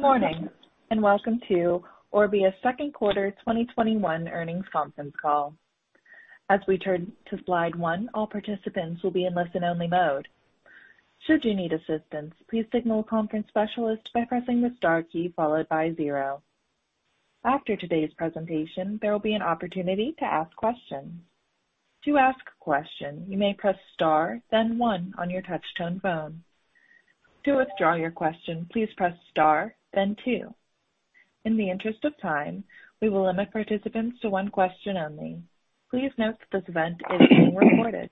Good morning, and welcome to Orbia's second quarter 2021 earnings conference call. As we turn to slide one, all participants will be in listen-only mode. Should you need assistance, please signal a conference specialist by pressing the star key followed by zero. After today's presentation, there will be an opportunity to ask questions. To ask a question, you may press star, then one on your touch-tone phone. To withdraw your question, please press star, then two. In the interest of time, we will limit participants to one question only. Please note that this event is being recorded.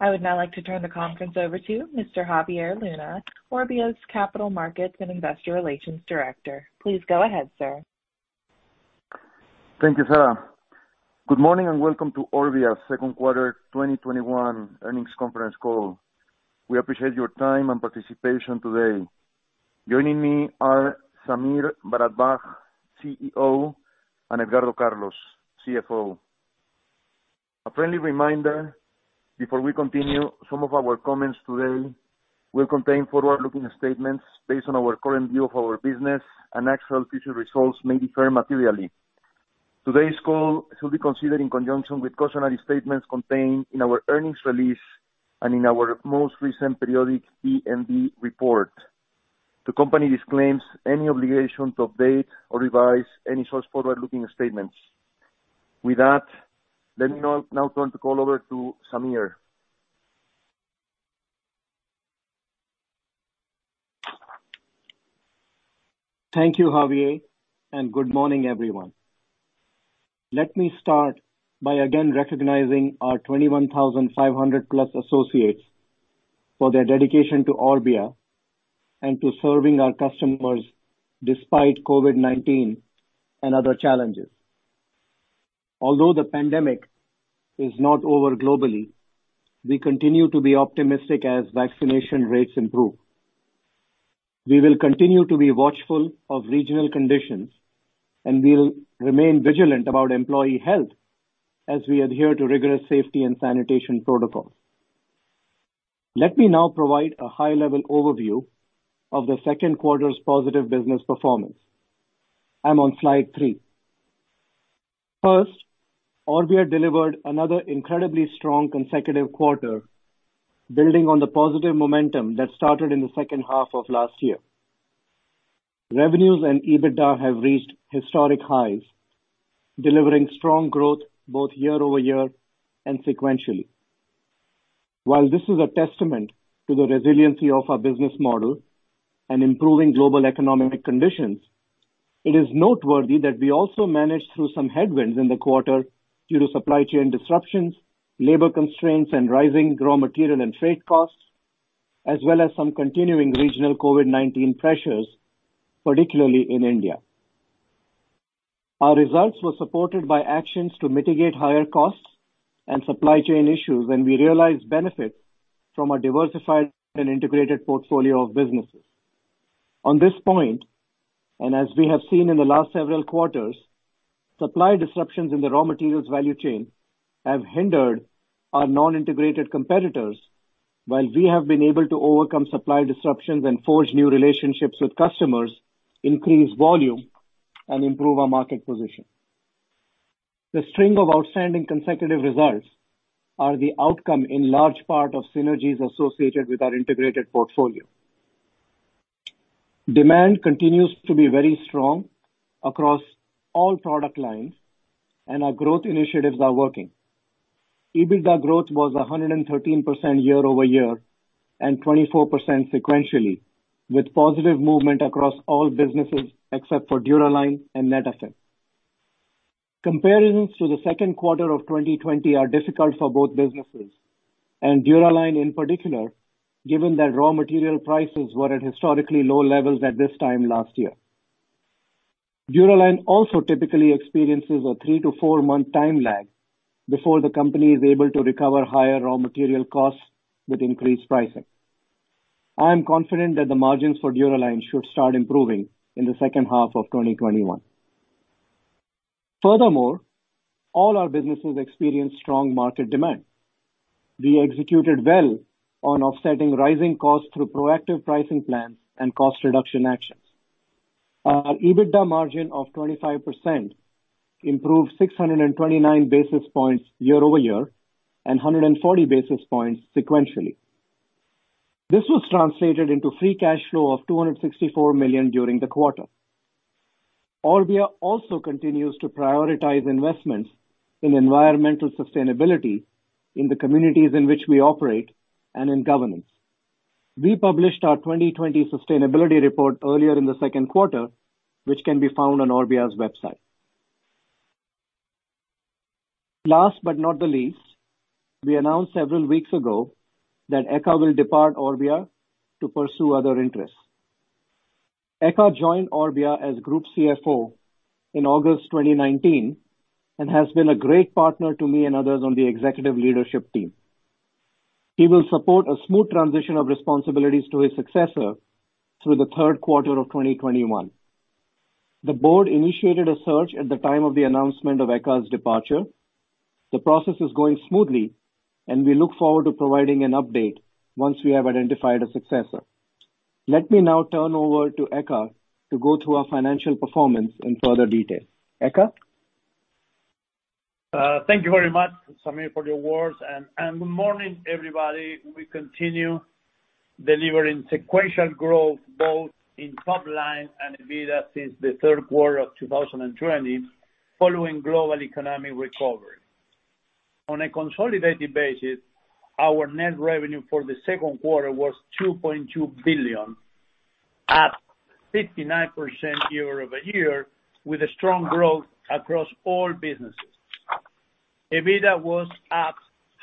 I would now like to turn the conference over to Mr. Javier Luna, Orbia's Capital Markets and Investor Relations Director. Please go ahead, sir. Thank you, Sarah. Good morning, and welcome to Orbia's second quarter 2021 earnings conference call. We appreciate your time and participation today. Joining me are Sameer Bharadwaj, CEO, and Edgardo Carlos, CFO. A friendly reminder before we continue, some of our comments today will contain forward-looking statements based on our current view of our business, and actual future results may differ materially. Today's call should be considered in conjunction with cautionary statements contained in our earnings release and in our most recent periodic BMV report. The company disclaims any obligation to update or revise any such forward-looking statements. With that, let me now turn the call over to Sameer. Thank you, Javier, and good morning, everyone. Let me start by again recognizing our 21,500-plus associates for their dedication to Orbia and to serving our customers despite COVID-19 and other challenges. Although the pandemic is not over globally, we continue to be optimistic as vaccination rates improve. We will continue to be watchful of regional conditions, and we'll remain vigilant about employee health as we adhere to rigorous safety and sanitation protocols. Let me now provide a high-level overview of the second quarter's positive business performance. I'm on slide three. First, Orbia delivered another incredibly strong consecutive quarter, building on the positive momentum that started in the second half of last year. Revenues and EBITDA have reached historic highs, delivering strong growth both year-over-year and sequentially. While this is a testament to the resiliency of our business model and improving global economic conditions, it is noteworthy that we also managed through some headwinds in the quarter due to supply chain disruptions, labor constraints, and rising raw material and freight costs, as well as some continuing regional COVID-19 pressures, particularly in India. Our results were supported by actions to mitigate higher costs and supply chain issues, and we realized benefits from our diversified and integrated portfolio of businesses. On this point, as we have seen in the last several quarters, supply disruptions in the raw materials value chain have hindered our non-integrated competitors while we have been able to overcome supply disruptions and forge new relationships with customers, increase volume, and improve our market position. The string of outstanding consecutive results are the outcome in large part of synergies associated with our integrated portfolio. Demand continues to be very strong across all product lines, and our growth initiatives are working. EBITDA growth was 113% year-over-year and 24% sequentially, with positive movement across all businesses except for Dura-Line and Netafim. Comparisons to the second quarter of 2020 are difficult for both businesses, and Dura-Line in particular, given that raw material prices were at historically low levels at this time last year. Dura-Line also typically experiences a three to four-month time lag before the company is able to recover higher raw material costs with increased pricing. I am confident that the margins for Dura-Line should start improving in the second half of 2021. All our businesses experienced strong market demand. We executed well on offsetting rising costs through proactive pricing plans and cost reduction actions. Our EBITDA margin of 25% improved 629 basis points year-over-year and 140 basis points sequentially. This was translated into free cash flow of $264 million during the quarter. Orbia also continues to prioritize investments in environmental sustainability in the communities in which we operate and in governance. We published our 2020 sustainability report earlier in the second quarter, which can be found on orbia.com. Last but not the least, we announced several weeks ago that Edgardo will depart Orbia to pursue other interests. Edgardo joined Orbia as Group CFO in August 2019 and has been a great partner to me and others on the executive leadership team. He will support a smooth transition of responsibilities to his successor through the third quarter of 2021. The board initiated a search at the time of the announcement of Edgardo's departure. The process is going smoothly, and we look forward to providing an update once we have identified a successor. Let me now turn over to Edgardo to go through our financial performance in further detail. Edgardo? Thank you very much, Sameer, for the words, and good morning, everybody. We continue delivering sequential growth both in top line and EBITDA since the third quarter of 2020 following global economic recovery. On a consolidated basis, our net revenue for the second quarter was $2.2 billion, up 59% year-over-year, with strong growth across all businesses. EBITDA was up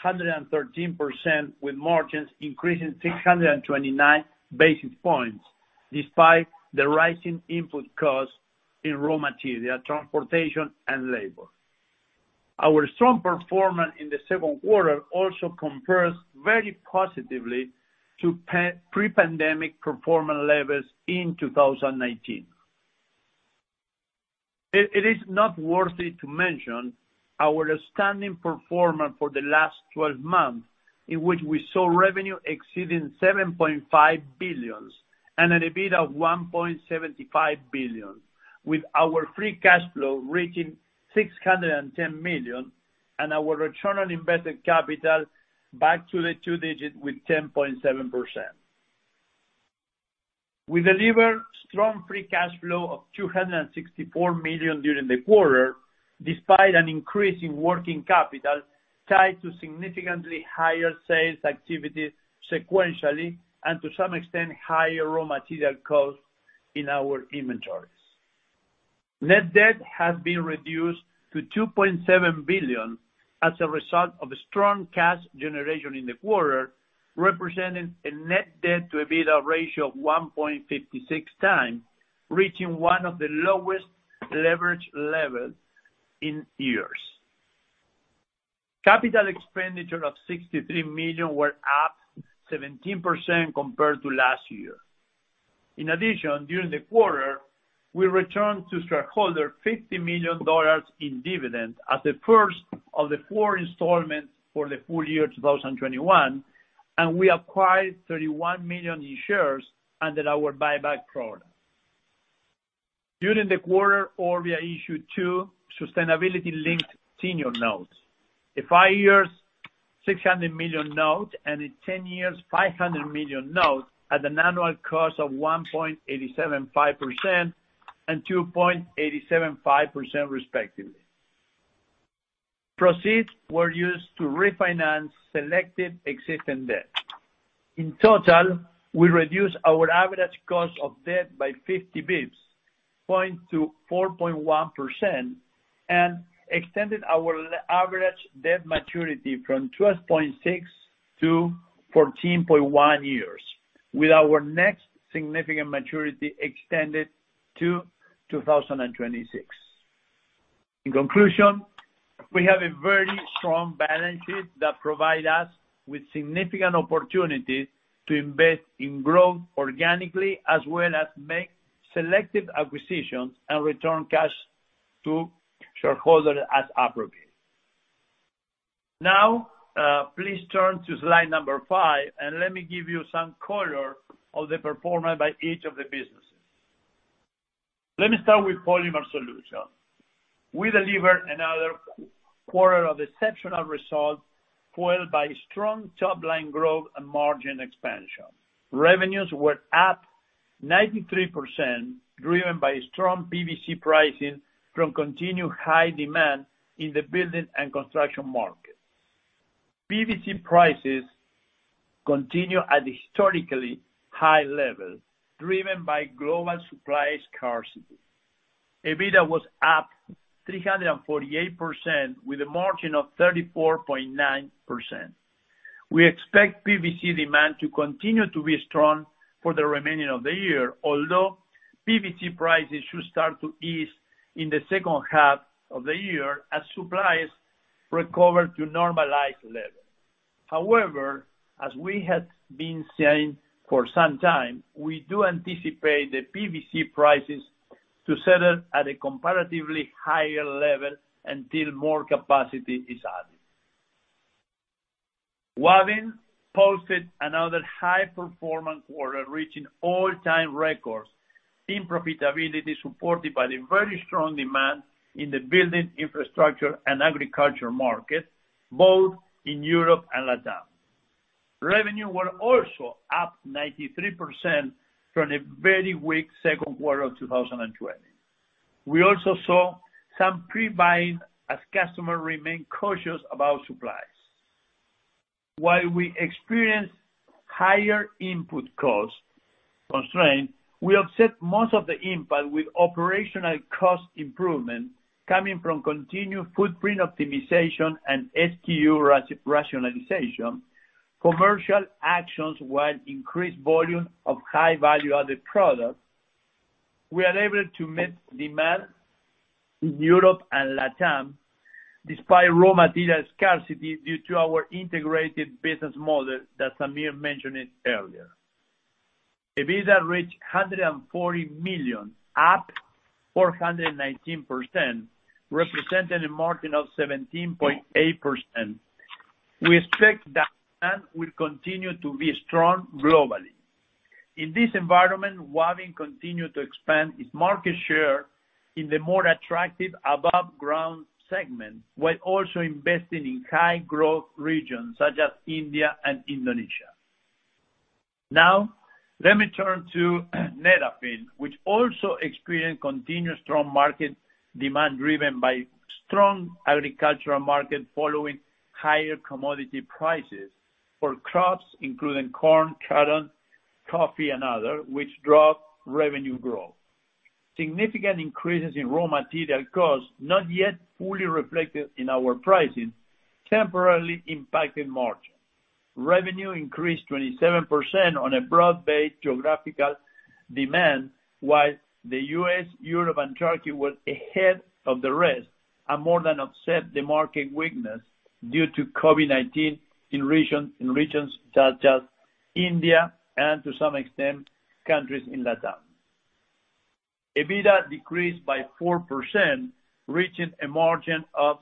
113%, with margins increasing 629 basis points, despite the rising input costs in raw material, transportation, and labor. Our strong performance in the second quarter also compares very positively to pre-pandemic performance levels in 2019. It is noteworthy to mention our outstanding performance for the last 12 months, in which we saw revenue exceeding $7.5 billion and an EBITDA of $1.75 billion, with our free cash flow reaching $610 million, and our return on invested capital back to the two-digit with 10.7%. We delivered strong free cash flow of $264 million during the quarter, despite an increase in working capital tied to significantly higher sales activity sequentially, and to some extent, higher raw material costs in our inventories. Net debt has been reduced to $2.7 billion as a result of strong cash generation in the quarter, representing a net debt to EBITDA ratio of 1.56x, reaching one of the lowest leverage levels in years. Capital expenditure of $63 million were up 17% compared to last year. During the quarter, we returned to shareholder $50 million in dividends as the first of the four installments for the full year 2021, and we acquired $31 million in shares under our buyback program. During the quarter, Orbia issued two sustainability-linked senior notes. A five-years $600 million note, and a 10-years $500 million note at an annual cost of 1.875% and 2.875%, respectively. Proceeds were used to refinance selected existing debt. In total, we reduced our average cost of debt by 50 basis points, falling to 4.1%, and extended our average debt maturity from 12.6-14.1 years, with our next significant maturity extended to 2026. In conclusion, we have a very strong balance sheet that provide us with significant opportunities to invest in growth organically, as well as make selective acquisitions and return cash to shareholders as appropriate. Now, please turn to slide number five, and let me give you some color of the performance by each of the businesses. Let me start with Polymer Solutions. We delivered another quarter of exceptional results, fueled by strong top-line growth and margin expansion. Revenues were up 93%, driven by strong PVC pricing from continued high demand in the building and construction market. PVC prices continue at a historically high level, driven by global supply scarcity. EBITDA was up 348% with a margin of 34.9%. We expect PVC demand to continue to be strong for the remaining of the year, although PVC prices should start to ease in the second half of the year as supplies recover to normalized levels. However, as we have been saying for some time, we do anticipate the PVC prices to settle at a comparatively higher level until more capacity is added. Wavin posted another high-performing quarter, reaching all-time records in profitability, supported by the very strong demand in the building, infrastructure, and agriculture market, both in Europe and LATAM. Revenue were also up 93% from a very weak second quarter of 2020. We also saw some pre-buying as customers remain cautious about supplies. While we experienced higher input cost constraints, we offset most of the impact with operational cost improvement coming from continued footprint optimization and SKU rationalization, commercial actions while increased volume of high-value-added products. We are able to meet demand in Europe and LatAm, despite raw material scarcity due to our integrated business model that Sameer mentioned earlier. EBITDA reached $140 million, up 419%, representing a margin of 17.8%. We expect demand will continue to be strong globally. In this environment, Wavin continue to expand its market share in the more attractive above ground segment, while also investing in high growth regions such as India and Indonesia. Now, let me turn to Netafim, which also experienced continued strong market demand, driven by strong agricultural market following higher commodity prices for crops including corn, cotton, coffee, and other, which drove revenue growth. Significant increases in raw material costs, not yet fully reflected in our pricing, temporarily impacted margin. Revenue increased 27% on a broad-based geographical demand, while the U.S., Europe, and Turkey were ahead of the rest and more than offset the market weakness due to COVID-19 in regions such as India, and to some extent, countries in LatAm. EBITDA decreased by 4%, reaching a margin of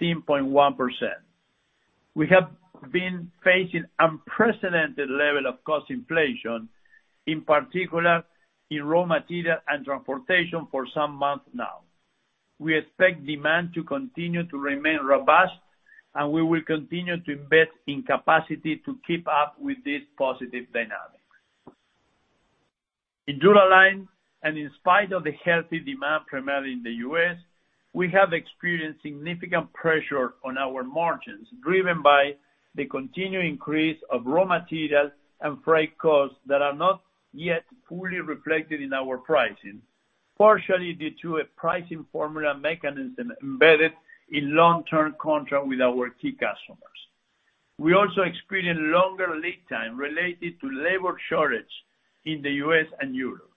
16.1%. We have been facing unprecedented level of cost inflation, in particular in raw material and transportation, for some months now. We expect demand to continue to remain robust, and we will continue to invest in capacity to keep up with this positive dynamic. In Dura-Line, in spite of the healthy demand primarily in the U.S., we have experienced significant pressure on our margins, driven by the continued increase of raw materials and freight costs that are not yet fully reflected in our pricing, partially due to a pricing formula mechanism embedded in long-term contract with our key customers. We also experienced longer lead time related to labor shortage in the U.S. and Europe.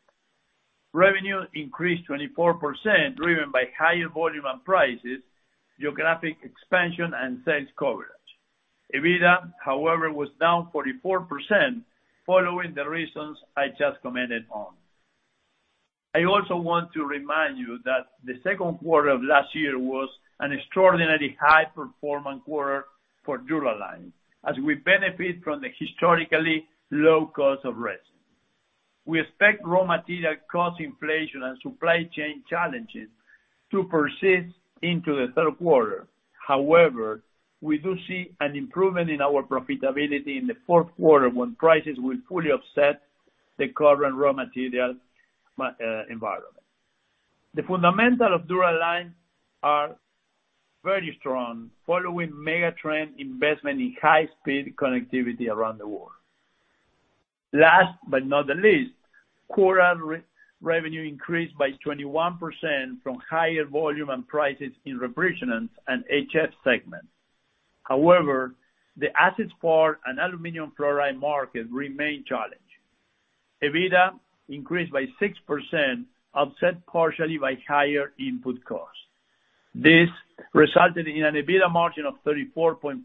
Revenue increased 24%, driven by higher volume and prices, geographic expansion, and sales coverage. EBITDA, however, was down 44%, following the reasons I just commented on. I also want to remind you that the second quarter of last year was an extraordinarily high performing quarter for Dura-Line, as we benefit from the historically low cost of resin. We expect raw material cost inflation and supply chain challenges to persist into the third quarter. We do see an improvement in our profitability in the fourth quarter, when prices will fully offset the current raw material environment. The fundamentals of Dura-Line are very strong, following mega trend investment in high speed connectivity around the world. Last but not the least, Koura revenue increased by 21% from higher volume and prices in refrigerants and HF segment. The acid spar and aluminum fluoride market remain challenging. EBITDA increased by 6%, offset partially by higher input costs. This resulted in an EBITDA margin of 34.4%.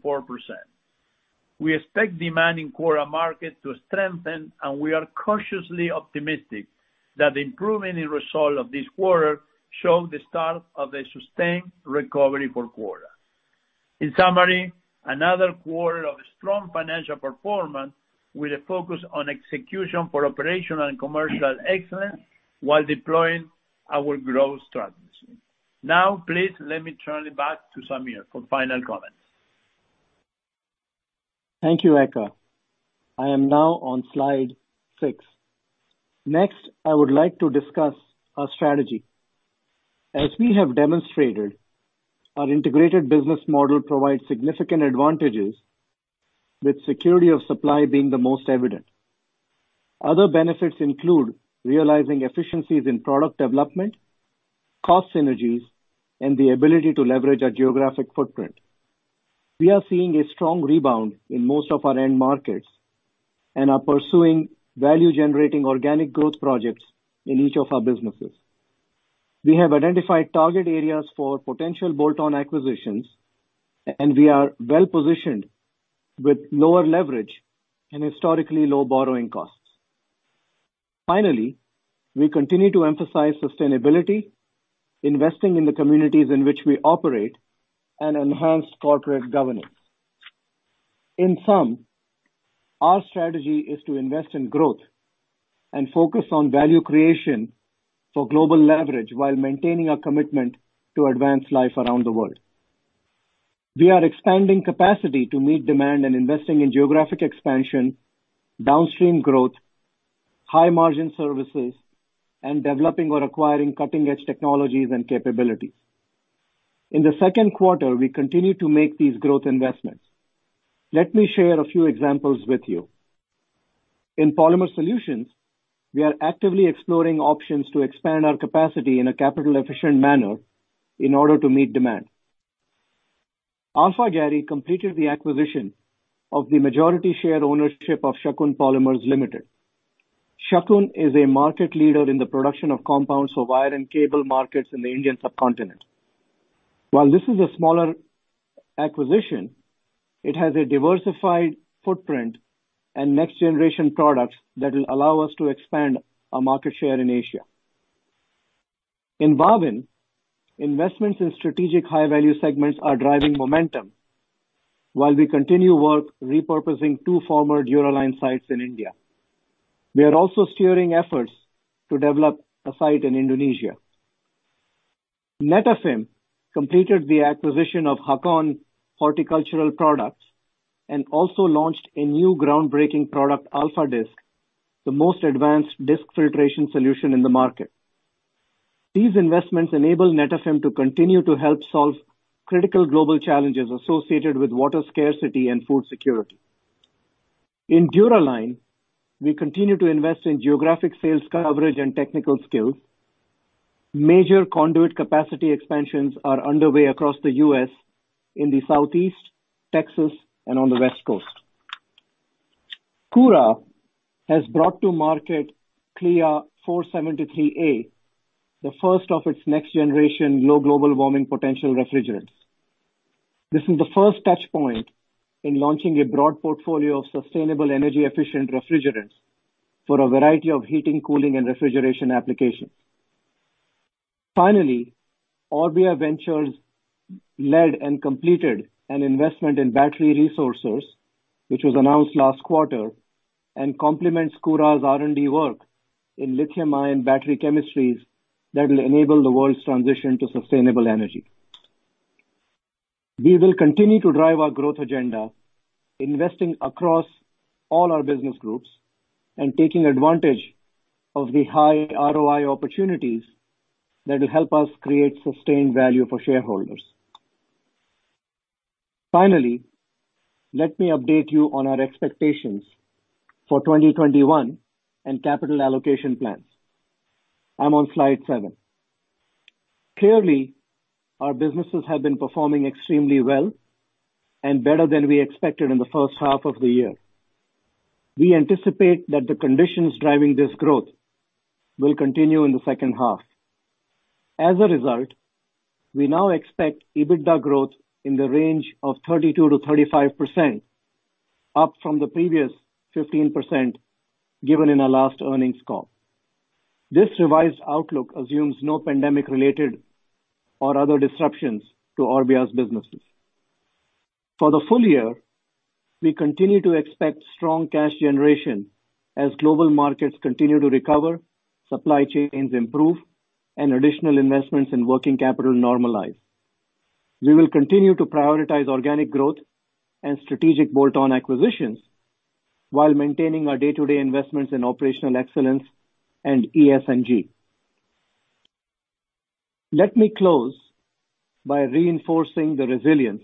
We expect demand in Koura market to strengthen, and we are cautiously optimistic that improvement in results of this quarter show the start of a sustained recovery for Koura. In summary, another quarter of strong financial performance, with a focus on execution for operational and commercial excellence while deploying our growth strategy. Now, please let me turn it back to Sameer for final comments. Thank you, Edgardo. I am now on slide six. Next, I would like to discuss our strategy. As we have demonstrated, our integrated business model provides significant advantages, with security of supply being the most evident. Other benefits include realizing efficiencies in product development, cost synergies, and the ability to leverage our geographic footprint. We are seeing a strong rebound in most of our end markets, and are pursuing value-generating organic growth projects in each of our businesses. We have identified target areas for potential bolt-on acquisitions, and we are well-positioned with lower leverage and historically low borrowing costs. Finally, we continue to emphasize sustainability, investing in the communities in which we operate, and enhanced corporate governance. In sum, our strategy is to invest in growth and focus on value creation for global leverage while maintaining our commitment to advance life around the world. We are expanding capacity to meet demand and investing in geographic expansion, downstream growth, high-margin services, and developing or acquiring cutting-edge technologies and capabilities. In the second quarter, we continued to make these growth investments. Let me share a few examples with you. In Polymer Solutions, we are actively exploring options to expand our capacity in a capital-efficient manner in order to meet demand. Alphagary completed the acquisition of the majority share ownership of Shakun Polymers Limited. Shakun is a market leader in the production of compounds for wire and cable markets in the Indian subcontinent. While this is a smaller acquisition, it has a diversified footprint and next-generation products that will allow us to expand our market share in Asia. In Wavin, investments in strategic high-value segments are driving momentum, while we continue work repurposing two former Dura-Line sites in India. We are also steering efforts to develop a site in Indonesia. Netafim completed the acquisition of Gakon Horticultural Projects and also launched a new groundbreaking product, AlphaDisc, the most advanced disc filtration solution in the market. These investments enable Netafim to continue to help solve critical global challenges associated with water scarcity and food security. In Dura-Line, we continue to invest in geographic sales coverage and technical skills. Major conduit capacity expansions are underway across the U.S., in the Southeast, Texas, and on the West Coast. Koura has brought to market Klea 473A, the first of its next-generation low global warming potential refrigerants. This is the first touchpoint in launching a broad portfolio of sustainable energy-efficient refrigerants for a variety of heating, cooling, and refrigeration applications. Finally, Orbia Ventures led and completed an investment in Battery Resourcers, which was announced last quarter, and complements Koura's R&D work in lithium-ion battery chemistries that will enable the world's transition to sustainable energy. We will continue to drive our growth agenda, investing across all our business groups and taking advantage of the high ROI opportunities that will help us create sustained value for shareholders. Finally, let me update you on our expectations for 2021 and capital allocation plans. I'm on slide seven. Clearly, our businesses have been performing extremely well and better than we expected in the first half of the year. We anticipate that the conditions driving this growth will continue in the second half. As a result, we now expect EBITDA growth in the range of 32%-35%, up from the previous 15% given in our last earnings call. This revised outlook assumes no pandemic-related or other disruptions to Orbia's businesses. For the full year, we continue to expect strong cash generation as global markets continue to recover, supply chains improve, and additional investments in working capital normalize. We will continue to prioritize organic growth and strategic bolt-on acquisitions while maintaining our day-to-day investments in operational excellence and ESG. Let me close by reinforcing the resilience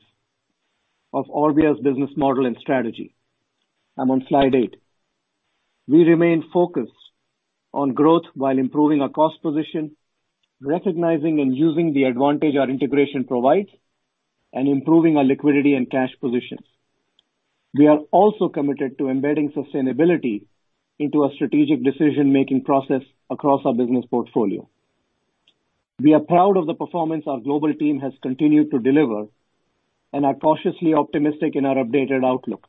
of Orbia's business model and strategy. I'm on slide eight. We remain focused on growth while improving our cost position, recognizing and using the advantage our integration provides, and improving our liquidity and cash positions. We are also committed to embedding sustainability into our strategic decision-making process across our business portfolio. We are proud of the performance our global team has continued to deliver and are cautiously optimistic in our updated outlook.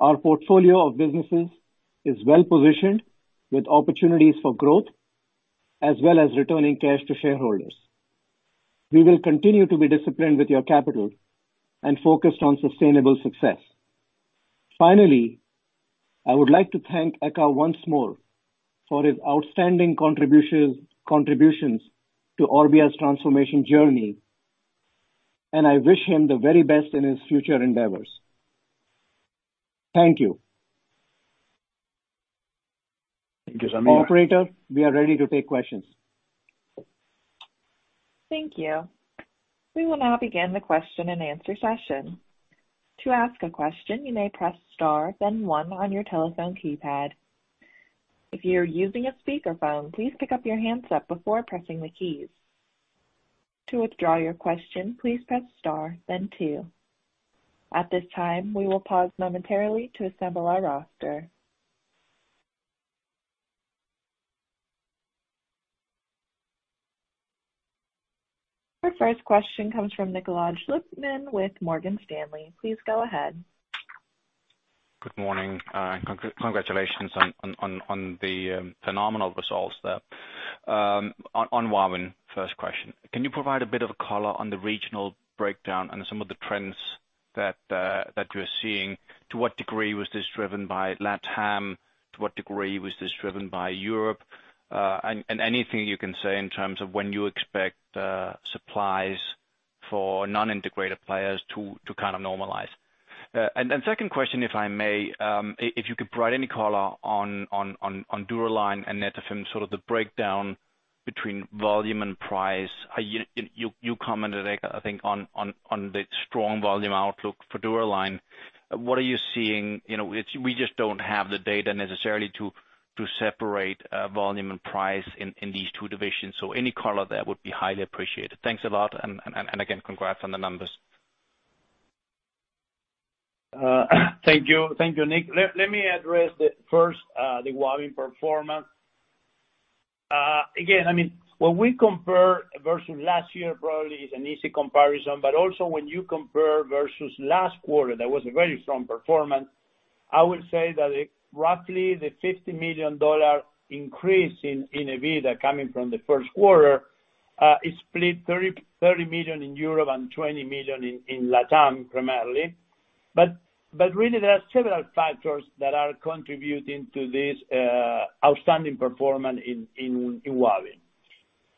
Our portfolio of businesses is well-positioned with opportunities for growth, as well as returning cash to shareholders. We will continue to be disciplined with your capital and focused on sustainable success. Finally, I would like to thank Edgardo once more for his outstanding contributions to Orbia's transformation journey, and I wish him the very best in his future endeavors. Thank you. Thank you so much. Operator, we are ready to take questions. Thank you. We will now begin the question-and-answer session. Our first question comes from Nikolaj Lippmann with Morgan Stanley. Please go ahead. Good morning. Congratulations on the phenomenal results there. On Wavin, first question. Can you provide a bit of color on the regional breakdown and some of the trends that you're seeing? To what degree was this driven by LatAm? To what degree was this driven by Europe? Anything you can say in terms of when you expect supplies for non-integrated players to normalize. Second question, if I may, if you could provide any color on Dura-Line and Netafim, sort of the breakdown between volume and price. You commented, Edgardo, I think, on the strong volume outlook for Dura-Line. What are you seeing? We just don't have the data necessarily to separate volume and price in these two divisions. Any color there would be highly appreciated. Thanks a lot, and again, congrats on the numbers. Thank you, Nick. Let me address first the Wavin performance. Again, when we compare versus last year, probably it's an easy comparison, but also when you compare versus last quarter, that was a very strong performance. I would say that roughly the $50 million increase in EBITDA coming from the first quarter is split $30 million in Europe and $20 million in LaTam, primarily. Really, there are several factors that are contributing to this outstanding performance in Wavin.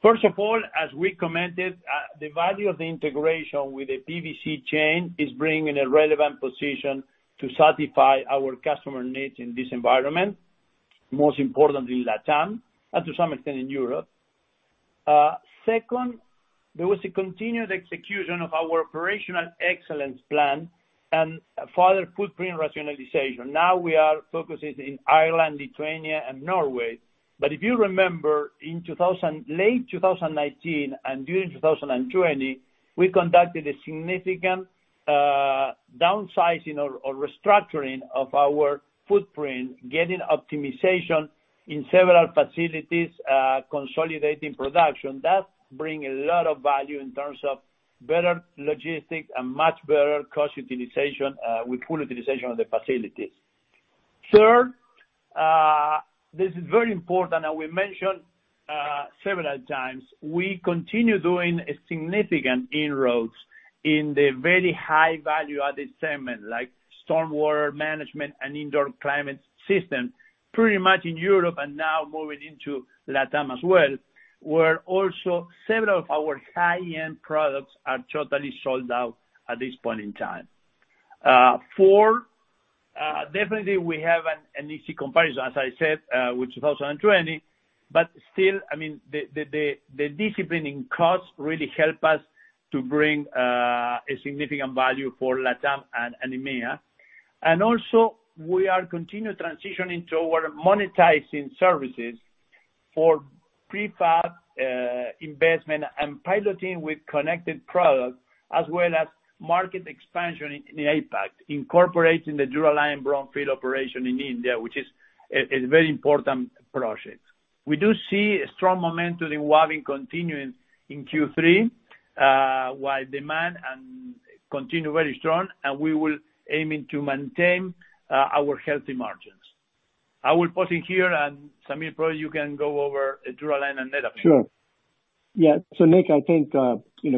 First of all, as we commented, the value of the integration with the PVC chain is bringing a relevant position to satisfy our customer needs in this environment, most importantly in LaTam, and to some extent, in Europe. Second, there was a continued execution of our operational excellence plan and further footprint rationalization. Now we are focusing in Ireland, Lithuania, and Norway. If you remember, in late 2019 and during 2020, we conducted a significant downsizing or restructuring of our footprint, getting optimization in several facilities, consolidating production. That bring a lot of value in terms of better logistics and much better cost utilization with full utilization of the facilities. Third, this is very important, and we mentioned several times, we continue doing a significant inroads in the very high value-added segment like stormwater management and indoor climate system, pretty much in Europe and now moving into LaTam as well, where also several of our high-end products are totally sold out at this point in time. Four, definitely we have an easy comparison, as I said, with 2020. Still, the discipline in costs really help us to bring a significant value for LaTam and EMEA. Also, we are continue transitioning toward monetizing services for prefab investment and piloting with connected products, as well as market expansion in the APAC, incorporating the Dura-Line brownfield operation in India, which is a very important project. We do see a strong momentum in Wavin continuing in Q3, while demand continue very strong, and we will aiming to maintain our healthy margins. I will pause it here, and Sameer, probably you can go over Dura-Line and Netafim. Sure. Yeah. Nick, I think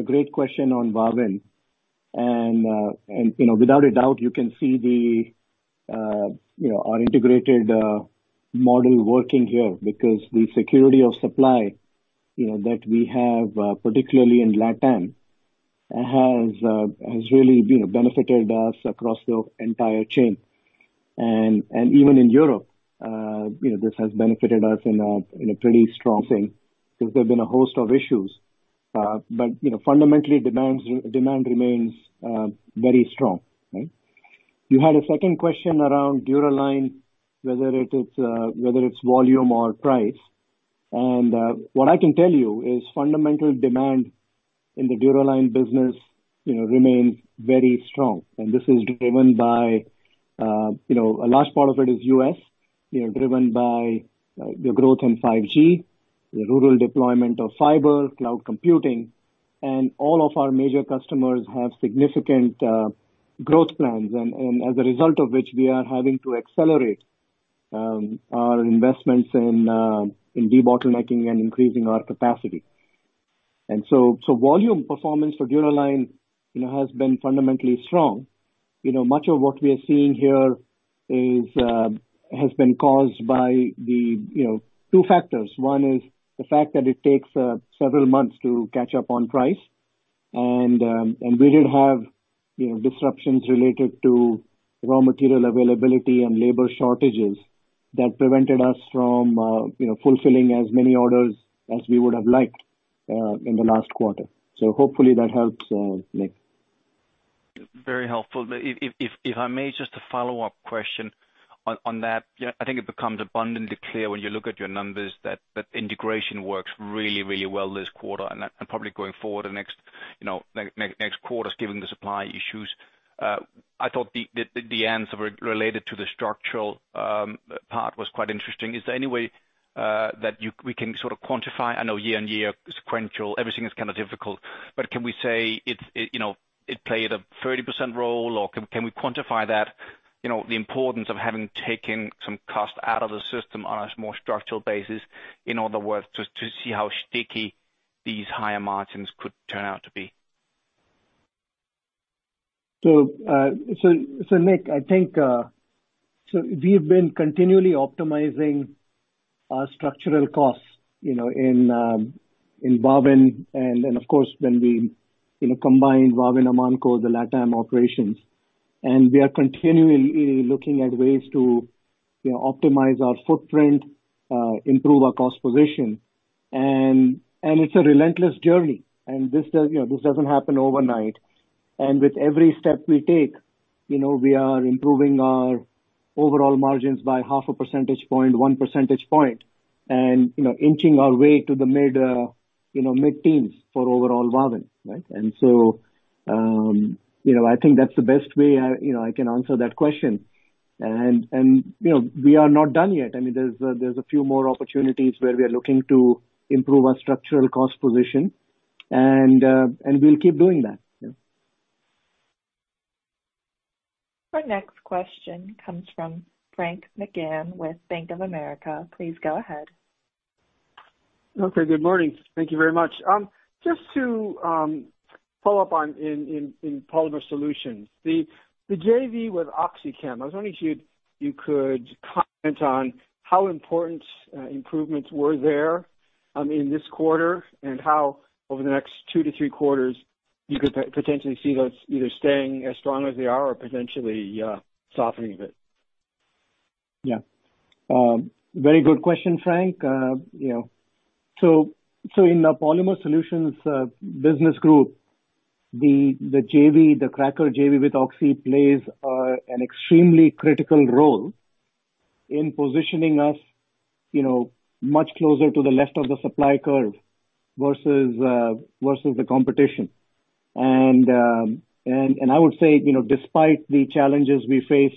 great question on Wavin. Without a doubt, you can see our integrated model working here because the security of supply that we have, particularly in LaTam, has really benefited us across the entire chain. Even in Europe this has benefited us in a pretty strong way, because there's been a host of issues. Fundamentally, demand remains very strong, right? You had a second question around Dura-Line, whether it's volume or price. What I can tell you is fundamental demand in the Dura-Line business remains very strong. This is driven by, a large part of it is U.S., driven by the growth in 5G, the rural deployment of fiber, cloud computing, all of our major customers have significant growth plans. As a result of which, we are having to accelerate our investments in de-bottlenecking and increasing our capacity. Volume performance for Dura-Line has been fundamentally strong. Much of what we are seeing here has been caused by two factors. One is the fact that it takes several months to catch up on price. We did have disruptions related to raw material availability and labor shortages that prevented us from fulfilling as many orders as we would have liked in the last quarter. Hopefully that helps, Nick. Very helpful. If I may, just a follow-up question on that. I think it becomes abundantly clear when you look at your numbers that integration works really well this quarter and probably going forward the next quarters, given the supply issues. I thought the answer related to the structural part was quite interesting. Is there any way that we can sort of quantify? I know year-on-year, sequential, everything is kind of difficult, but can we say it played a 30% role, or can we quantify that, the importance of having taken some cost out of the system on a more structural basis, in other words, to see how sticky these higher margins could turn out to be? Nick, I think we've been continually optimizing our structural costs in Wavin, and then of course, when we combined Wavin and Amanco, the LaTam operations. We are continually looking at ways to optimize our footprint, improve our cost position. It's a relentless journey. This doesn't happen overnight. With every step we take, we are improving our overall margins by half a percentage point, 1 percentage point, and inching our way to the mid-teens for overall margin. Right? I think that's the best way I can answer that question. We are not done yet. There's a few more opportunities where we are looking to improve our structural cost position, and we'll keep doing that. Yeah. Our next question comes from Frank McGann with Bank of America. Please go ahead. Okay, good morning. Thank you very much. Just to follow up on in Polymer Solutions, the JV with OxyChem, I was wondering if you could comment on how important improvements were there in this quarter, and how over the next two to three quarters you could potentially see those either staying as strong as they are or potentially softening a bit. Yeah. Very good question, Frank. In the Polymer Solutions business group, the cracker JV with Oxy plays an extremely critical role in positioning us much closer to the left of the supply curve versus the competition. I would say, despite the challenges we faced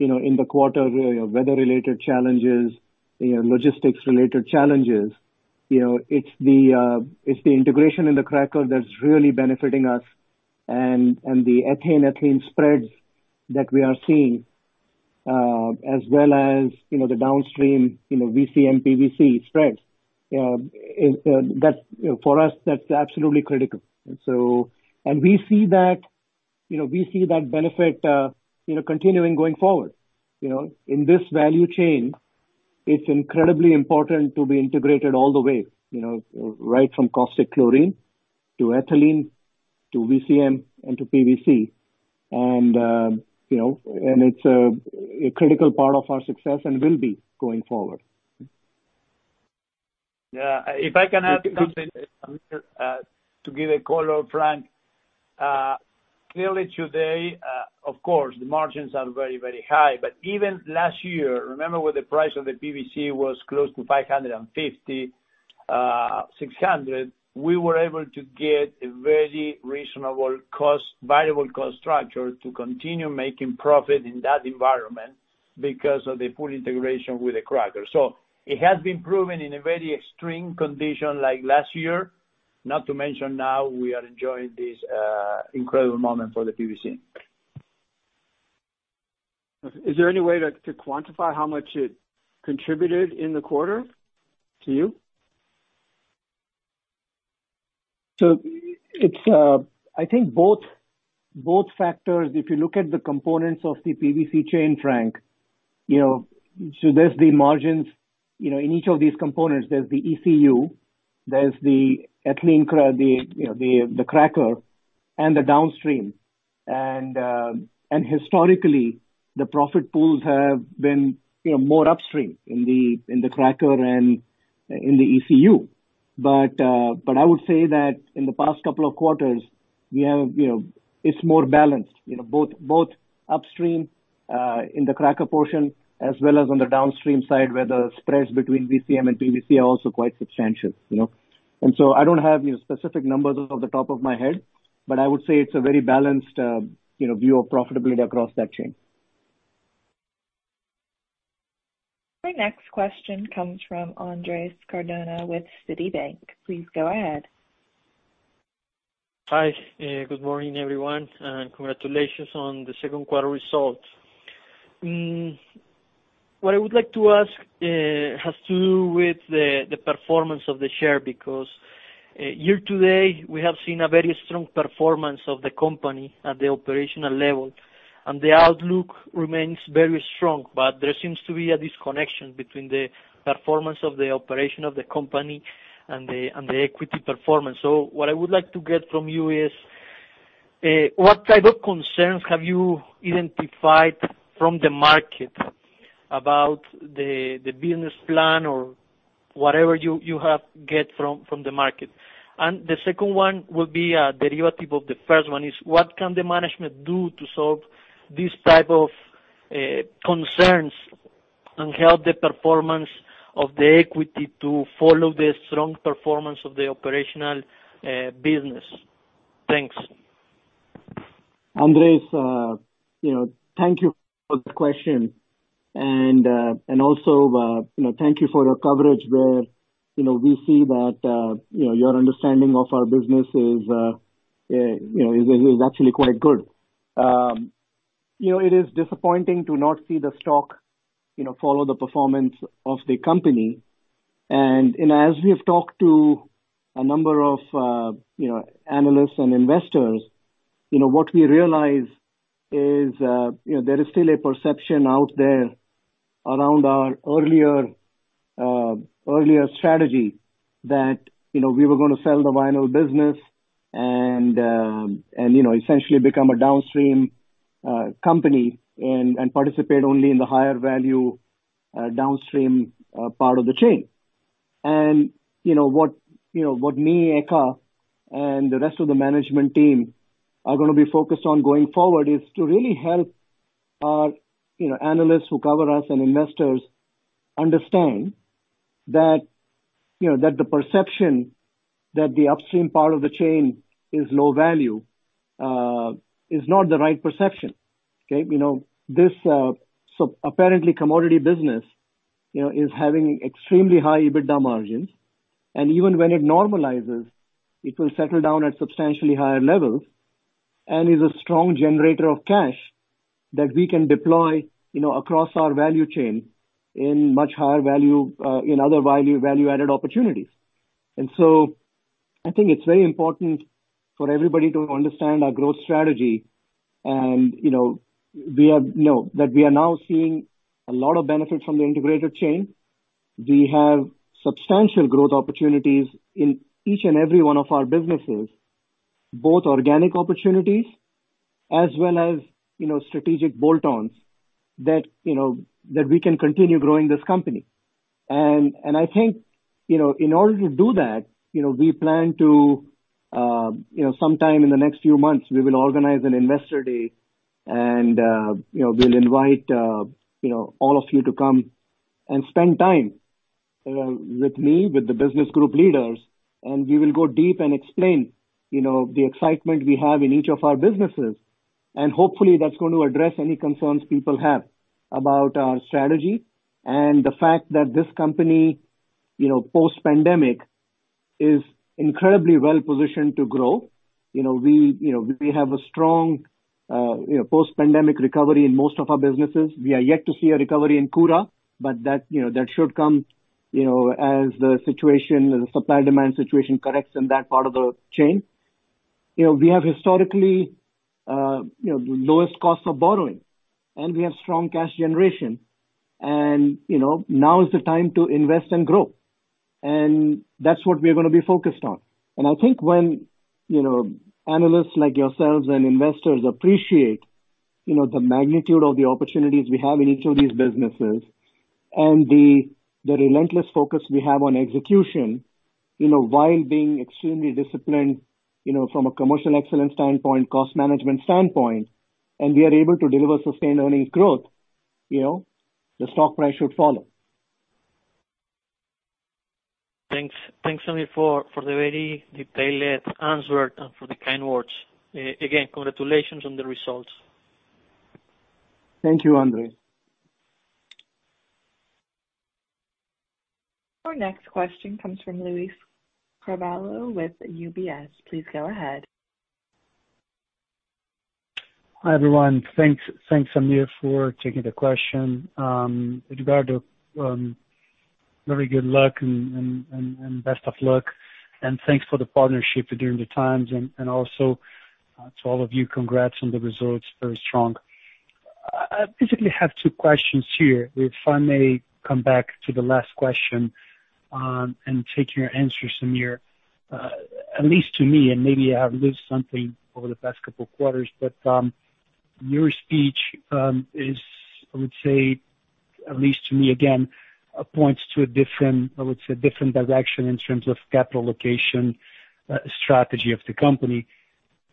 in the quarter, weather-related challenges, logistics-related challenges, it's the integration in the cracker that's really benefiting us and the ethane/ethylene spreads that we are seeing, as well as the downstream VCM, PVC spreads. For us, that's absolutely critical. We see that benefit continuing going forward. In this value chain, it's incredibly important to be integrated all the way, right from caustic chlorine to ethylene to VCM and to PVC. It's a critical part of our success and will be going forward. Yeah. If I can add something to give a color, Frank. Clearly today, of course, the margins are very, very high. Even last year, remember when the price of the PVC was close to $550, $600, we were able to get a very reasonable variable cost structure to continue making profit in that environment because of the full integration with the cracker. It has been proven in a very extreme condition like last year. Not to mention now we are enjoying this incredible moment for the PVC. Is there any way to quantify how much it contributed in the quarter to you? I think both factors, if you look at the components of the PVC chain, Frank. There's the margins in each of these components. There's the ECU, there's the cracker, and the downstream. Historically, the profit pools have been more upstream in the cracker and in the ECU. I would say that in the past couple of quarters, it's more balanced, both upstream in the cracker portion as well as on the downstream side, where the spreads between VCM and PVC are also quite substantial. I don't have specific numbers off the top of my head, but I would say it's a very balanced view of profitability across that chain. Our next question comes from Andres Cardona with Citibank. Please go ahead. Hi. Good morning, everyone, and congratulations on the second quarter results. What I would like to ask has to do with the performance of the share, because year to date, we have seen a very strong performance of the company at the operational level, and the outlook remains very strong. There seems to be a disconnection between the performance of the operation of the company and the equity performance. What I would like to get from you is, what type of concerns have you identified from the market about the business plan or whatever you have get from the market? The second one will be a derivative of the first one, is what can the management do to solve these type of concerns and help the performance of the equity to follow the strong performance of the operational business? Thanks. Andres, thank you for the question. Also thank you for your coverage where we see that your understanding of our business is actually quite good. It is disappointing to not see the stock follow the performance of the company. As we have talked to a number of analysts and investors, what we realize is there is still a perception out there around our earlier strategy that we were going to sell the vinyl business and essentially become a downstream company and participate only in the higher value downstream part of the chain. What me, Edgardo, and the rest of the management team are going to be focused on going forward is to really help our analysts who cover us, and investors understand that the perception that the upstream part of the chain is low value is not the right perception. Okay? This apparently commodity business is having extremely high EBITDA margins, and even when it normalizes, it will settle down at substantially higher levels and is a strong generator of cash that we can deploy across our value chain in other value-added opportunities. I think it's very important for everybody to understand our growth strategy, that we are now seeing a lot of benefit from the integrated chain. We have substantial growth opportunities in each and every one of our businesses, both organic opportunities as well as strategic bolt-ons, that we can continue growing this company. I think, in order to do that, we plan to, sometime in the next few months, we will organize an investor day and we will invite all of you to come and spend time with me, with the business group leaders, and we will go deep and explain the excitement we have in each of our businesses. Hopefully that's going to address any concerns people have about our strategy and the fact that this company, post-pandemic, is incredibly well-positioned to grow. We have a strong post-pandemic recovery in most of our businesses. We are yet to see a recovery in Koura, but that should come as the supply and demand situation corrects in that part of the chain. We have historically the lowest cost of borrowing, and we have strong cash generation. Now is the time to invest and grow, and that's what we're going to be focused on. I think when analysts like yourselves and investors appreciate the magnitude of the opportunities we have in each of these businesses and the relentless focus we have on execution, while being extremely disciplined from a commercial excellence standpoint, cost management standpoint, and we are able to deliver sustained earnings growth, the stock price should follow. Thanks, Sameer, for the very detailed answer and for the kind words. Again, congratulations on the results. Thank you, Andres. Our next question comes from Luiz Carvalho with UBS. Please go ahead. Hi, everyone. Thanks, Sameer, for taking the question. With regard to very good luck and best of luck, and thanks for the partnership during the times, and also to all of you, congrats on the results. Very strong. I basically have two questions here. If I may come back to the last question, and take your answers, Sameer. At least to me, and maybe I've missed something over the past couple of quarters, but your speech is, I would say, at least to me again, points to a different direction in terms of capital allocation strategy of the company.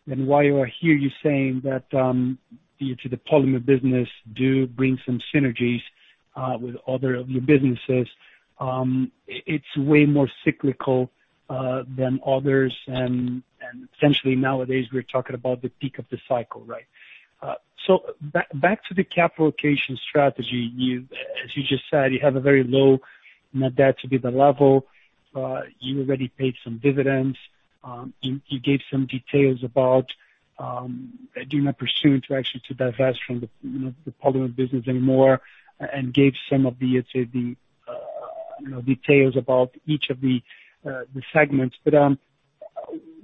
While I hear you saying that to the Polymer Solutions do bring some synergies with other of your businesses, it's way more cyclical than others. Essentially nowadays we're talking about the peak of the cycle, right? Back to the capital allocation strategy. As you just said, you have a very low net debt to EBITDA level. You already paid some dividends. You gave some details about doing a pursuant to actually to divest from the polymer business anymore and gave some of the, let's say, details about each of the segments.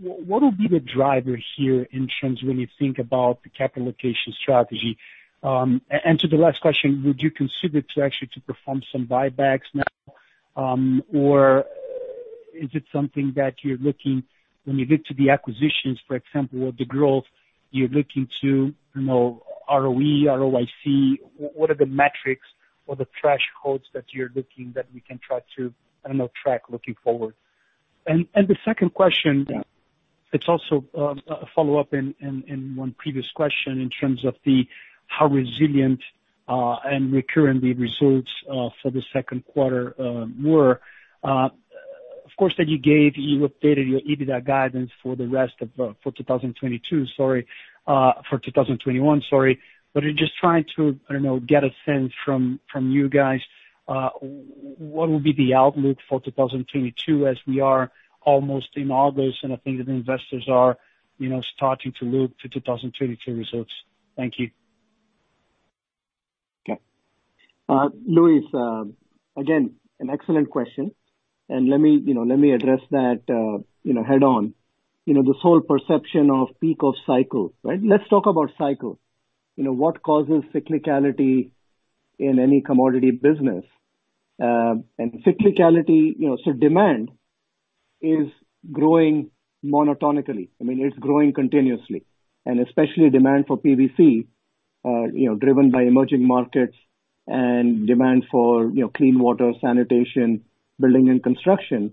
What would be the driver here in terms when you think about the capital allocation strategy? To the last question, would you consider to actually to perform some buybacks now? Is it something that you're looking when you get to the acquisitions, for example, or the growth you're looking to, ROE, ROIC? What are the metrics or the thresholds that you're looking that we can try to track looking forward? The second question, it's also a follow-up in one previous question in terms of how resilient and recurring the results for the second quarter were. Of course, that you gave, you updated your EBITDA guidance for 2021. I'm just trying to, I don't know, get a sense from you guys, what will be the outlook for 2022 as we are almost in August, and I think that investors are starting to look to 2022 results. Thank you. Okay. Luiz, again, an excellent question. Let me address that head on. The whole perception of peak of cycle, right? Let's talk about cycle. What causes cyclicality in any commodity business? Cyclicality, demand is growing monotonically. I mean, it's growing continuously, and especially demand for PVC, driven by emerging markets and demand for clean water, sanitation, building and construction,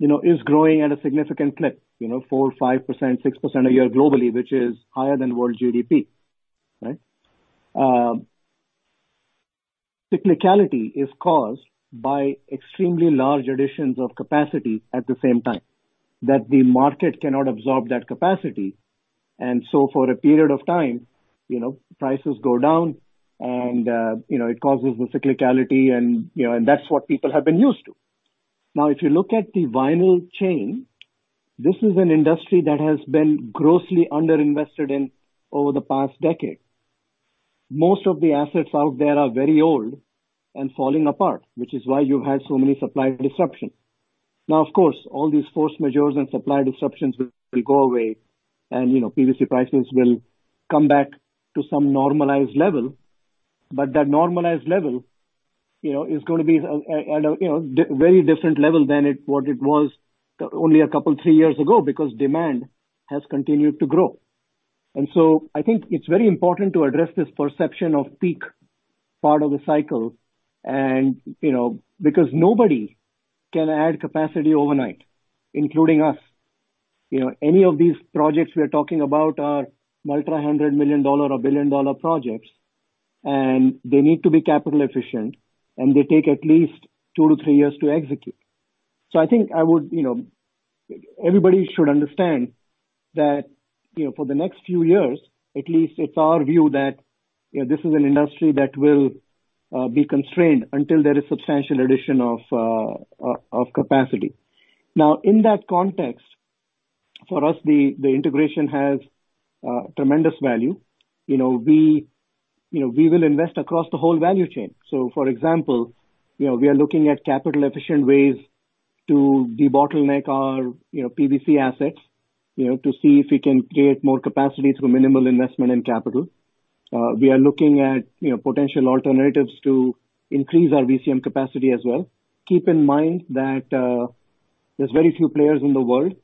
is growing at a significant clip, 4%, 5%, 6% a year globally, which is higher than world GDP, right? Cyclicality is caused by extremely large additions of capacity at the same time that the market cannot absorb that capacity. For a period of time, prices go down and it causes the cyclicality, and that's what people have been used to. If you look at the vinyl chain, this is an industry that has been grossly under-invested in over the past decade. Most of the assets out there are very old and falling apart, which is why you have so many supply disruptions. Of course, all these force majeures and supply disruptions will go away, and PVC prices will come back to some normalized level. That normalized level is going to be at a very different level than what it was only two or three years ago, because demand has continued to grow. I think it's very important to address this perception of peak part of the cycle, because nobody can add capacity overnight, including us. Any of these projects we are talking about are multi-hundred million dollar or billion-dollar projects, and they need to be capital efficient, and they take at least two to three years to execute. I think everybody should understand that for the next few years at least, it's our view that this is an industry that will be constrained until there is substantial addition of capacity. In that context, for us, the integration has tremendous value. We will invest across the whole value chain. For example, we are looking at capital-efficient ways to debottleneck our PVC assets, to see if we can create more capacity through minimal investment in capital. We are looking at potential alternatives to increase our VCM capacity as well. Keep in mind that there's very few players in the world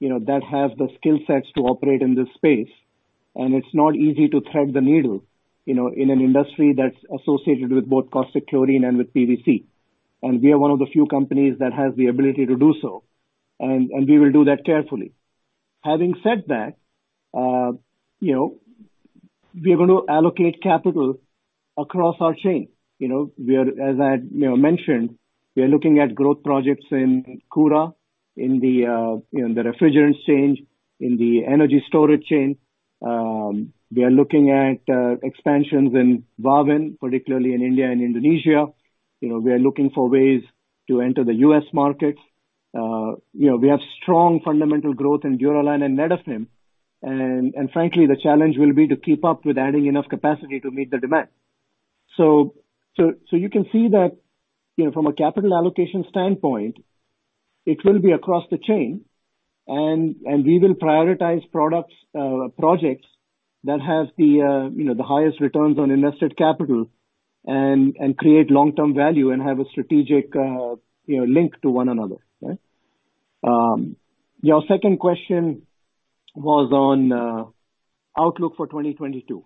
that have the skill sets to operate in this space, and it's not easy to thread the needle in an industry that's associated with both cost security and with PVC. We are one of the few companies that has the ability to do so, and we will do that carefully. Having said that, we are going to allocate capital across our chain. As I mentioned, we are looking at growth projects in Koura, in the refrigerants chain, in the energy storage chain. We are looking at expansions in Wavin, particularly in India and Indonesia. We are looking for ways to enter the U.S. market. We have strong fundamental growth in Dura-Line and Netafim, and frankly, the challenge will be to keep up with adding enough capacity to meet the demand. You can see that from a capital allocation standpoint, it will be across the chain, and we will prioritize projects that have the highest returns on invested capital and create long-term value and have a strategic link to one another, right? Your second question was on outlook for 2022,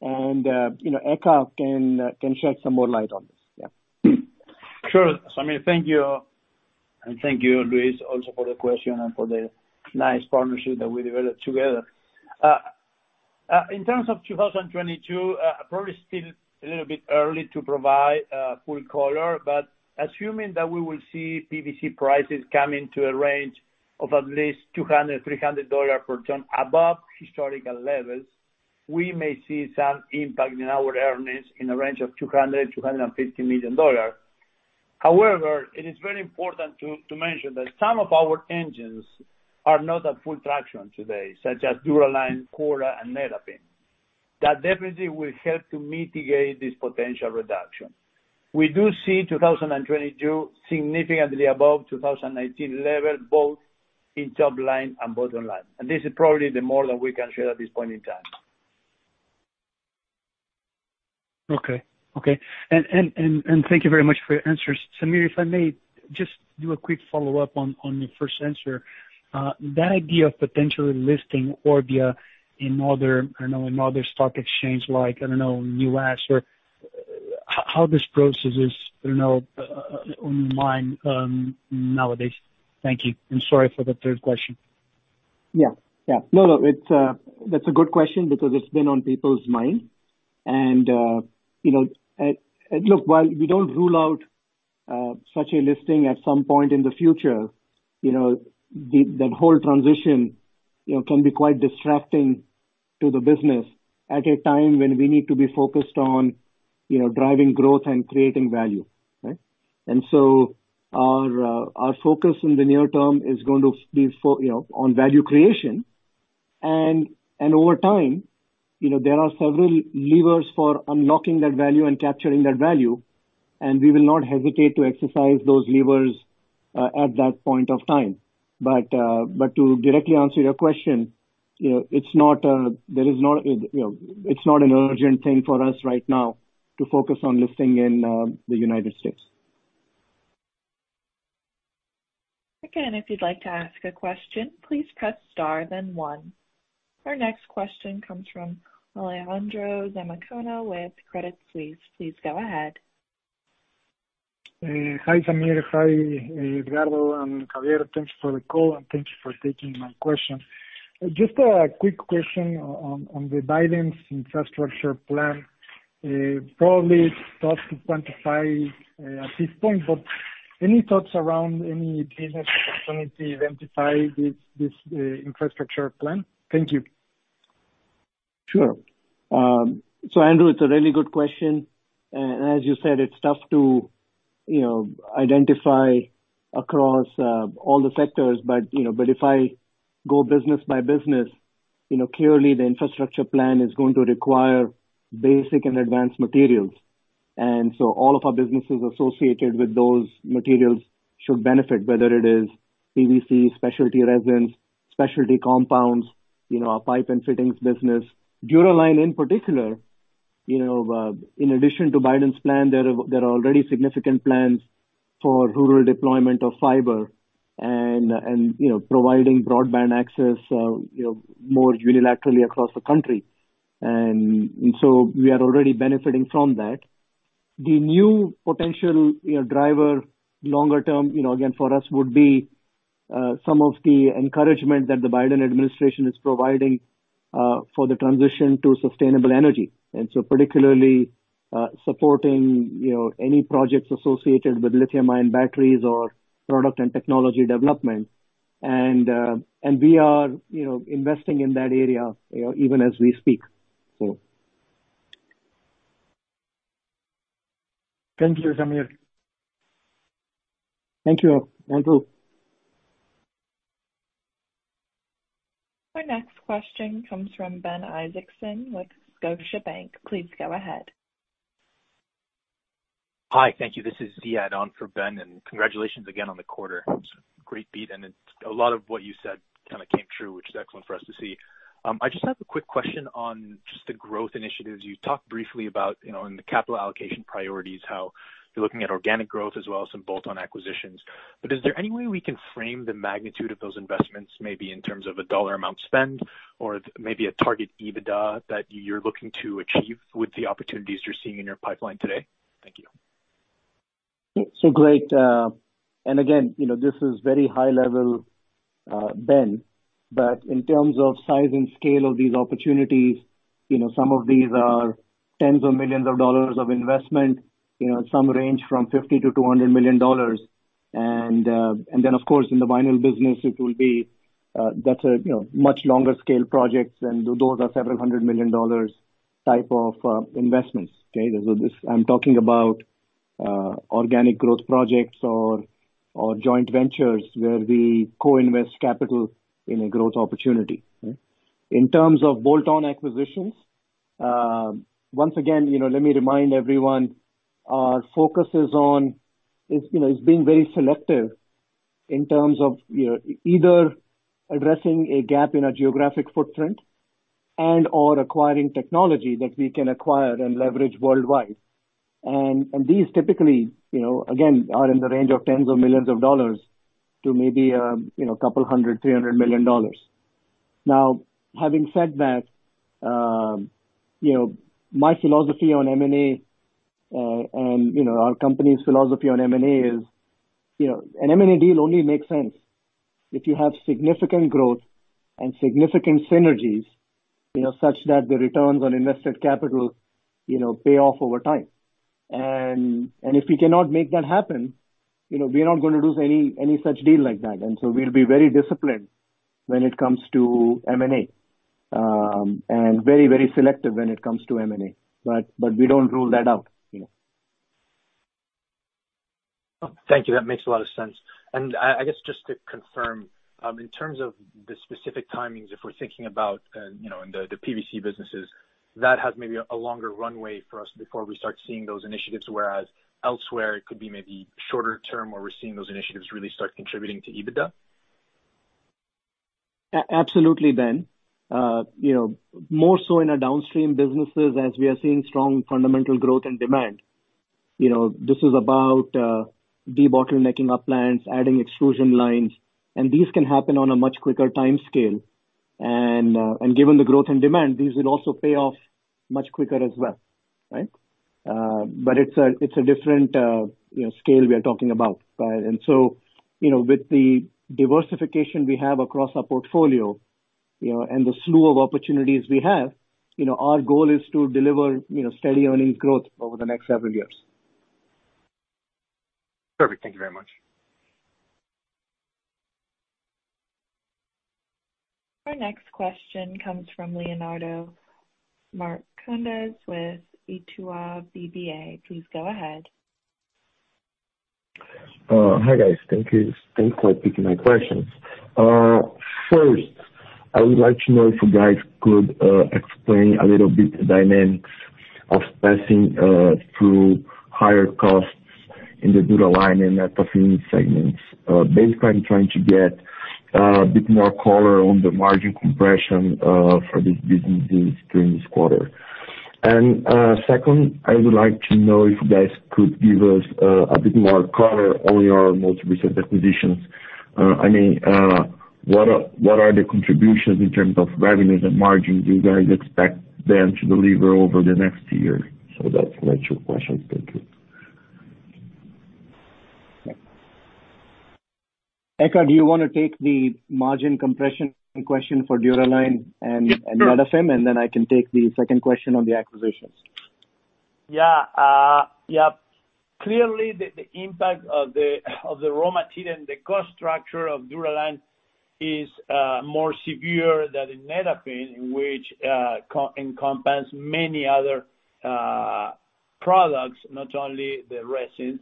and Edgardo can shed some more light on this. Yeah. Sure. Sameer, thank you, and thank you, Luiz, also for the question and for the nice partnership that we developed together. In terms of 2022, probably still a little bit early to provide a full color, but assuming that we will see PVC prices come into a range of at least $200-300 per ton above historical levels, we may see some impact in our earnings in a range of $200-250 million. However, it is very important to mention that some of our engines are not at full traction today, such as Dura-Line, Koura, and Netafim. That definitely will help to mitigate this potential reduction. We do see 2022 significantly above 2019 level, both in top line and bottom line. This is probably the more that we can share at this point in time. Okay. Thank you very much for your answers. Sameer, if I may just do a quick follow-up on your first answer. That idea of potentially listing Orbia in other stock exchange, like, I don't know, U.S. or how this process is on mind nowadays. Thank you. Sorry for the third question. Yeah. No, that's a good question because it's been on people's minds. Look, while we don't rule out such a listing at some point in the future, that whole transition can be quite distracting to the business at a time when we need to be focused on driving growth and creating value, right? Our focus in the near term is going to be on value creation. Over time, there are several levers for unlocking that value and capturing that value, and we will not hesitate to exercise those levers at that point of time. To directly answer your question, it's not an urgent thing for us right now to focus on listing in the United States. Again, if you'd like to ask a question, please press star then one. Our next question comes from Alejandro Zamacona with Credit Suisse. Please go ahead. Hi, Sameer. Hi, Edgardo and Javier. Thanks for the call, and thank you for taking my question. Just a quick question on the Biden's infrastructure plan. Probably it's tough to quantify at this point, but any thoughts around any business opportunity identified with this infrastructure plan? Thank you. Sure. Alejandro Zamacona, it's a really good question. As you said, it's tough to identify across all the sectors. If I go business by business, clearly the infrastructure plan is going to require basic and advanced materials. All of our businesses associated with those materials should benefit, whether it is PVC, specialty resins, specialty compounds, our pipe and fittings business. Dura-Line in particular, in addition to Biden's plan, there are already significant plans for rural deployment of fiber and providing broadband access more unilaterally across the country. We are already benefiting from that. The new potential driver longer term, again, for us, would be some of the encouragement that the Biden administration is providing for the transition to sustainable energy, particularly supporting any projects associated with lithium-ion batteries or product and technology development. We are investing in that area even as we speak. Thank you, Sameer. Thank you, Andres. Our next question comes from Ben Isaacson with Scotiabank. Please go ahead. Hi. Thank you. This is Ziad on for Ben, congratulations again on the quarter. Great beat and a lot of what you said kind of came true, which is excellent for us to see. I just have a quick question on just the growth initiatives. You talked briefly about, in the capital allocation priorities, how you're looking at organic growth as well as some bolt-on acquisitions. Is there any way we can frame the magnitude of those investments, maybe in terms of a dollar amount spend or maybe a target EBITDA that you're looking to achieve with the opportunities you're seeing in your pipeline today? Thank you. Great. Again, this is very high level, but in terms of size and scale of these opportunities, some of these are tens of millions of dollars of investment. Some range from $50-200 million. Of course, in the vinyl business, that's a much longer scale projects, and those are several hundred million dollars type of investments. Okay? I'm talking about organic growth projects or joint ventures where we co-invest capital in a growth opportunity. In terms of bolt-on acquisitions, once again, let me remind everyone, our focus is on being very selective in terms of either addressing a gap in our geographic footprint and/or acquiring technology that we can acquire and leverage worldwide. These typically, again, are in the range of tens of millions of dollars to maybe $200-300 million. Now, having said that, my philosophy on M&A, and our company's philosophy on M&A is, an M&A deal only makes sense if you have significant growth and significant synergies, such that the returns on invested capital pay off over time. If we cannot make that happen, we are not going to do any such deal like that. We'll be very disciplined when it comes to M&A, and very, very selective when it comes to M&A. We don't rule that out. Thank you. That makes a lot of sense. I guess just to confirm, in terms of the specific timings, if we're thinking about in the PVC businesses, that has maybe a longer runway for us before we start seeing those initiatives, whereas elsewhere it could be maybe shorter term where we're seeing those initiatives really start contributing to EBITDA? Absolutely. More so in our downstream businesses, as we are seeing strong fundamental growth and demand. This is about debottlenecking our plants, adding extrusion lines, and these can happen on a much quicker timescale. Given the growth and demand, these will also pay off much quicker as well, right? It's a different scale we are talking about. With the diversification we have across our portfolio, and the slew of opportunities we have, our goal is to deliver steady earnings growth over the next several years. Perfect. Thank you very much. Our next question comes from Leonardo Marcondes with Itaú BBA. Please go ahead. Hi, guys. Thanks for taking my questions. I would like to know if you guys could explain a little bit the dynamics of passing through higher costs in the Dura-Line and Netafim segments. I'm trying to get a bit more color on the margin compression for these businesses during this quarter. Second, I would like to know if you guys could give us a bit more color on your most recent acquisitions. What are the contributions in terms of revenues and margins do you guys expect them to deliver over the next year? That's my two questions. Thank you. Edgardo, do you want to take the margin compression question for Dura-Line and Netafim, and then I can take the second question on the acquisitions. Clearly, the impact of the raw material and the cost structure of Dura-Line is more severe than in Netafim, in which encompasses many other products, not only the resins.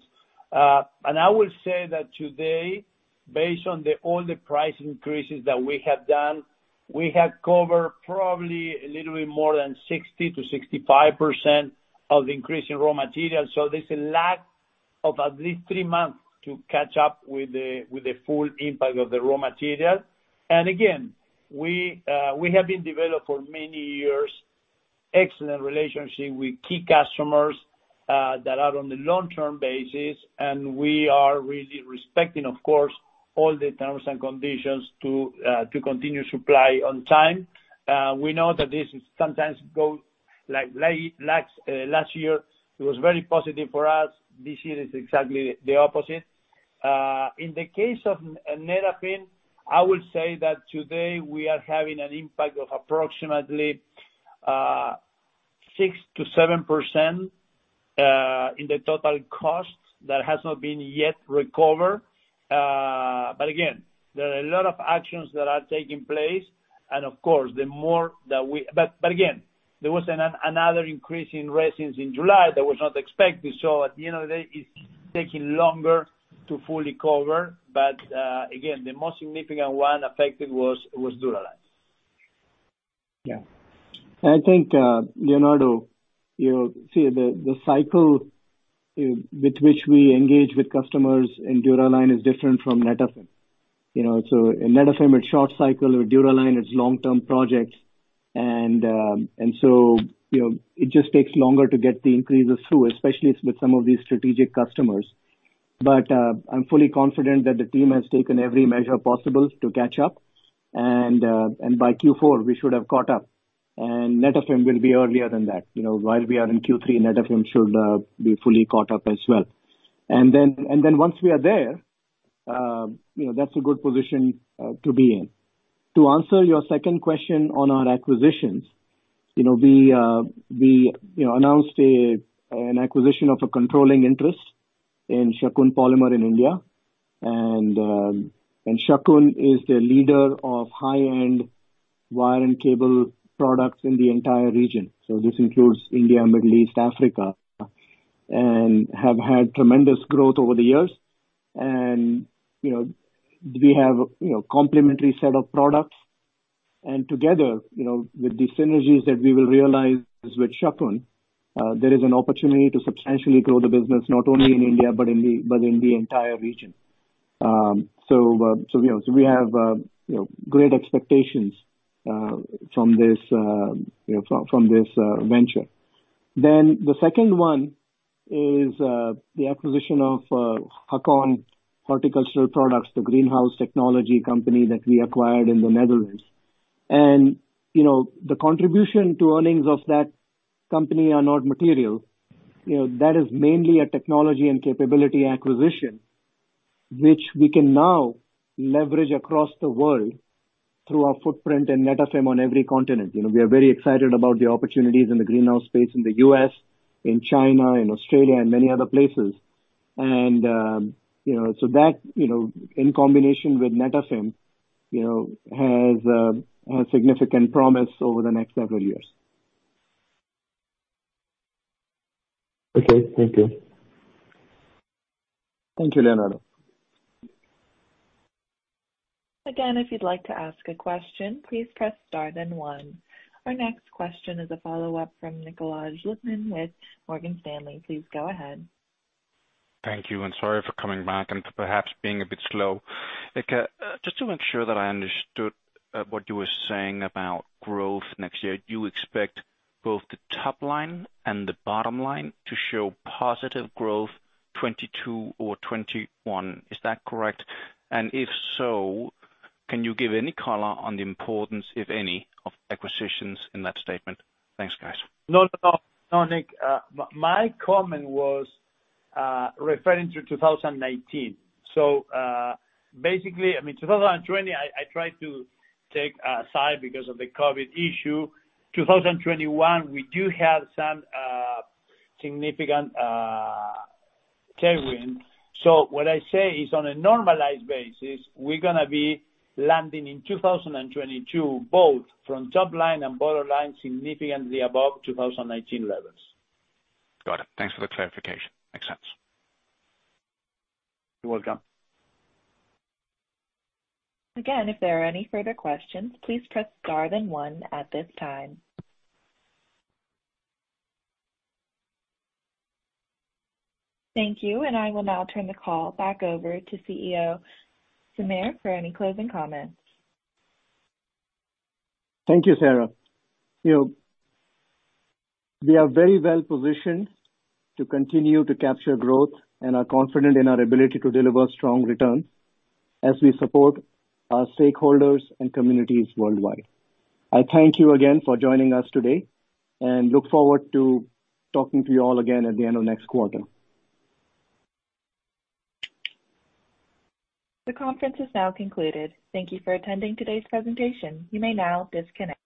I will say that today, based on all the price increases that we have done, we have covered probably a little bit more than 60%-65% of the increase in raw materials. There's a lag of at least three months to catch up with the full impact of the raw material. Again, we have been developed for many years, excellent relationship with key customers that are on the long-term basis, and we are really respecting, of course, all the terms and conditions to continue supply on time. We know that this is sometimes goes like last year, it was very positive for us. This year is exactly the opposite. In the case of Netafim, I would say that today we are having an impact of approximately 6%-7% in the total cost that has not been yet recovered. Again, there are a lot of actions that are taking place and but again, there was another increase in resins in July that was not expected. At the end of the day, it's taking longer to fully cover. Again, the most significant one affected was Dura-Line. Yeah. I think, Leonardo, you see the cycle with which we engage with customers in Dura-Line is different from Netafim. In Netafim, it's short cycle, with Dura-Line, it's long-term projects. It just takes longer to get the increases through, especially with some of these strategic customers. I'm fully confident that the team has taken every measure possible to catch up. By Q4, we should have caught up, and Netafim will be earlier than that. While we are in Q3, Netafim should be fully caught up as well. Once we are there, that's a good position to be in. To answer your second question on our acquisitions. We announced an acquisition of a controlling interest in Shakun Polymers in India. Shakun is the leader of high-end wire and cable products in the entire region. This includes India, Middle East, Africa, and have had tremendous growth over the years. We have complementary set of products. Together, with the synergies that we will realize with Shakun, there is an opportunity to substantially grow the business not only in India, but in the entire region. We have great expectations from this venture. The second one is the acquisition of Gakon Horticultural Projects, the greenhouse technology company that we acquired in the Netherlands. The contribution to earnings of that company are not material. That is mainly a technology and capability acquisition, which we can now leverage across the world through our footprint and Netafim on every continent. We are very excited about the opportunities in the greenhouse space in the U.S., in China, in Australia, and many other places. That in combination with Netafim, has a significant promise over the next several years. Okay. Thank you. Thank you, Leonardo. Again, if you'd like to ask a question, please press star then one. Our next question is a follow-up from Nikolaj Lippmann with Morgan Stanley. Please go ahead. Thank you, sorry for coming back and perhaps being a bit slow. Edgardo, just to make sure that I understood what you were saying about growth next year. You expect both the top line and the bottom line to show positive growth 2022 or 2021. Is that correct? If so, can you give any color on the importance, if any, of acquisitions in that statement? Thanks, guys. No, Nick. My comment was referring to 2019. Basically, 2020, I try to take aside because of the COVID issue. 2021, we do have some significant tailwind. What I say is on a normalized basis, we're going to be landing in 2022, both from top line and bottom line, significantly above 2019 levels. Got it. Thanks for the clarification. Makes sense. You're welcome. Thank you. I will now turn the call back over to CEO, Sameer, for any closing comments. Thank you, Sarah. We are very well-positioned to continue to capture growth and are confident in our ability to deliver strong returns as we support our stakeholders and communities worldwide. I thank you again for joining us today and look forward to talking to you all again at the end of next quarter. The conference is now concluded. Thank you for attending today's presentation. You may now disconnect.